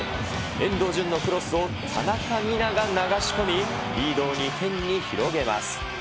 遠藤純のクロスを田中美南が流し込み、リードを２点に広げます。